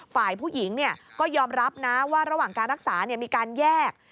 ฝ่ายผู้หญิงก็ยอมรับนะว่าระหว่างการรักษามีการแยก